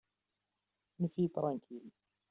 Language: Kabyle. Anef-iyi tṛankil.